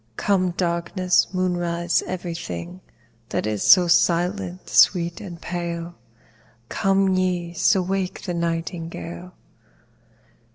Come darkness, moonrise, every thing That is so silent, sweet, and pale: Come, so ye wake the nightingale.